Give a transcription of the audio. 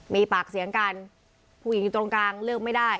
มีปากเสียงกันผู้หญิงอยู่ตรงกลางเลือกไม่ได้